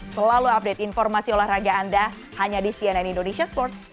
selalu update informasi olahraga anda hanya di cnn indonesia sports